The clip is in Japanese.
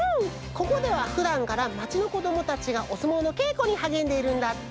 ここではふだんからまちのこどもたちがおすもうのけいこにはげんでいるんだって！